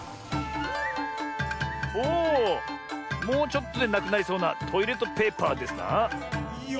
もうちょっとでなくなりそうなトイレットペーパーですな。